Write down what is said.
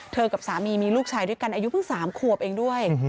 กับสามีมีลูกชายด้วยกันอายุเพิ่ง๓ขวบเองด้วย